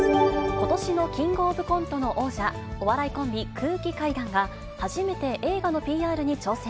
ことしのキングオブコントの王者、お笑いコンビ、空気階段が初めて映画のＰＲに挑戦。